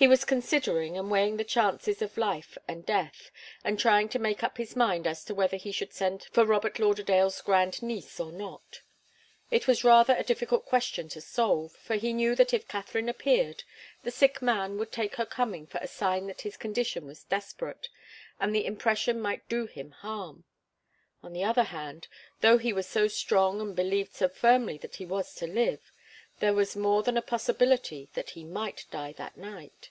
He was considering and weighing the chances of life and death, and trying to make up his mind as to whether he should send for Robert Lauderdale's grand niece or not. It was rather a difficult question to solve, for he knew that if Katharine appeared, the sick man would take her coming for a sign that his condition was desperate, and the impression might do him harm. On the other hand, though he was so strong and believed so firmly that he was to live, there was more than a possibility that he might die that night.